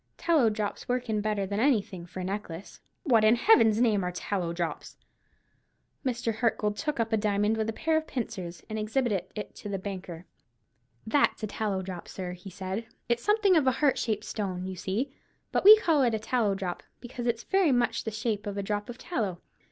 "Tallow drops work in better than anything for a necklace." "What, in Heaven's name, are tallow drops?" Mr. Hartgold took up a diamond with a pair of pincers, and exhibited it to the banker. "That's a tallow drop, sir," he said. "It's something of a heart shaped stone, you see; but we call it a tallow drop, because it's very much the shape of a drop of tallow.